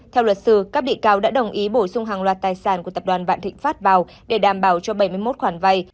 theo luật sư các bị cáo đã đồng ý bổ sung hàng loạt tài sản của tập đoàn vạn thịnh pháp vào để đảm bảo cho bảy mươi một khoản vay